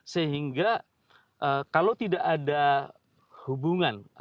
sehingga kalau tidak ada hubungan